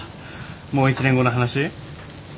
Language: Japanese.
もう１年後の話？